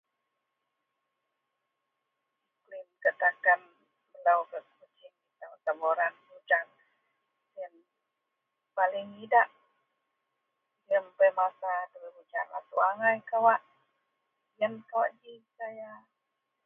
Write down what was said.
Ga takan melo ga [unintelligible] siburan ujan iyen paling idak lian bei masa apouk angai kawak iyen kawak ji gaya